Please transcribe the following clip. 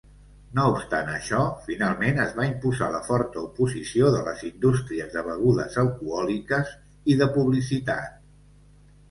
No obstant això, finalment es va imposar la forta oposició de les indústries de begudes alcohòliques i de publicitat.